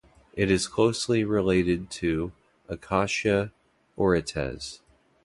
It is closely related to "Acacia orites".